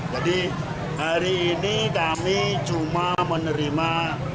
jadi hari ini kami cuma menerima